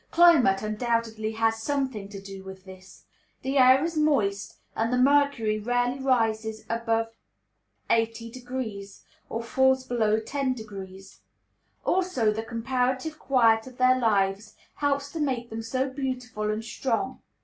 Climate undoubtedly has something to do with this. The air is moist, and the mercury rarely rises above 80° or falls below 10°. Also the comparative quiet of their lives helps to make them so beautiful and strong.